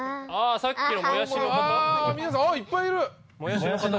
あっいっぱいいた。